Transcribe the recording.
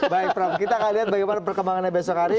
baik prof kita akan lihat bagaimana perkembangannya besok hari